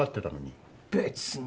別に。